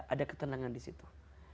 ada ketenangan disitu